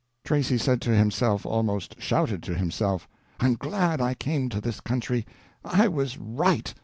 Tracy said to himself, almost shouted to himself, "I'm glad I came to this country. I was right.